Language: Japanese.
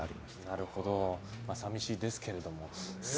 なるほど、寂しいですけどもね。